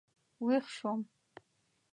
وېښ شوم.